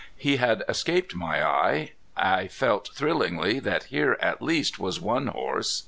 He had escaped my eye. I felt thrillingly that here at least was one horse.